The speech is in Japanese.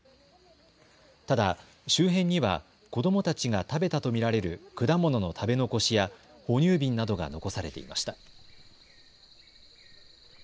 ただ周辺には子どもたちが食べたと見られる果物の食べ残しや哺乳瓶などが残されていました。